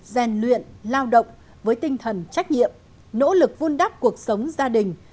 rèn luyện lao động với tinh thần trách nhiệm nỗ lực vun đắp cuộc sống gia đình